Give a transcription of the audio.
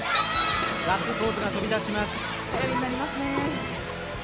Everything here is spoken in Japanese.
ガッツポーズが飛び出します。